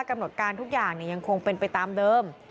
กำหนดการทุกอย่างยังคงเป็นไปตามเดิม